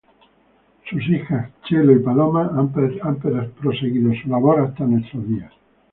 Sus hijas Chelo y Paloma han proseguido su labor hasta nuestros días.